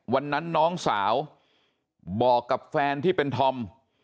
วันนั้นน้องสาวบอกกับแฟนที่เป็นธอม